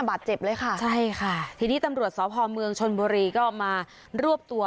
บาดเจ็บเลยค่ะใช่ค่ะทีนี้ตำรวจสพเมืองชนบุรีก็มารวบตัว